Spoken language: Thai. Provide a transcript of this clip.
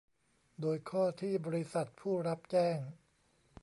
โดยข้อที่บริษัทผู้รับแจ้ง